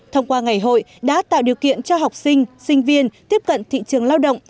thông qua ngày hội đã tạo điều kiện cho học sinh sinh viên tiếp cận thị trường lao động